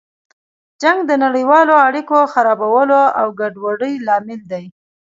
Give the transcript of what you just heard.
جنګ د نړیوالو اړیکو خرابولو او ګډوډۍ لامل دی.